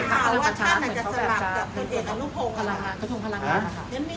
ยังไม่มีข่าวว่าท่านจะสลับจากคนเอกอันลูกภูมิ